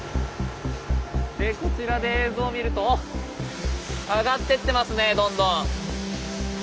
でこちらで映像を見ると上がってってますねどんどん。